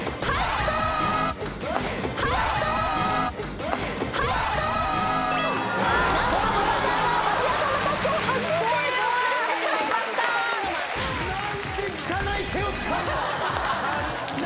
はい。